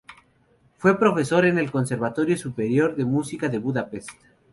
Fue profesor en el Conservatorio Superior de Música de Budapest.